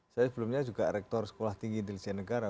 saya sebelumnya juga rektor sekolah tinggi intelijen negara